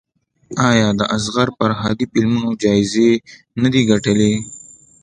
آیا د اصغر فرهادي فلمونه جایزې نه دي ګټلي؟